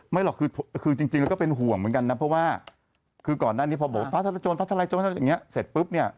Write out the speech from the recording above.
ไม่หรอกคือจริงแล้วก็เป็นห่วงเหมือนกันนะเพราะว่าคือก่อนหน้านี้พอบอกว่าวาทารายโจรวาทารายโจรวาทารายโจรเสร็จปุ๊บเนี่ย